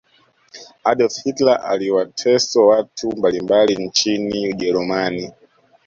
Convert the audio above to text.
adolf hitler aliwateso watu mbalimbali nchini ujerumani